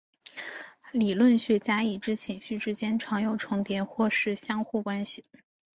理论学家已知情绪之间常有重叠或是相互关系。